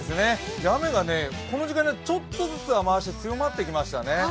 雨がこの時間になってちょっと雨足が強まってきましたね。